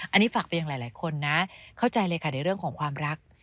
อันนี้ฝากไปยังหลายคนนะเข้าใจเลยค่ะในเรื่องของความรัก